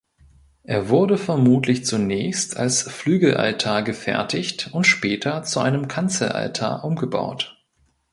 Er wurde vermutlich zunächst als Flügelaltar gefertigt und später zu einem Kanzelaltar umgebaut.